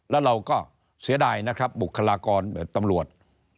แล้วเราก็เสียดายนะครับบุคลากรตำรวจ